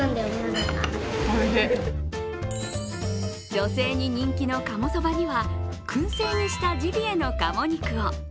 女性に人気の鴨蕎麦には、くん製にしたジビエの鴨肉を。